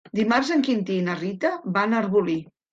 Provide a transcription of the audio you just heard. Dimarts en Quintí i na Rita van a Arbolí.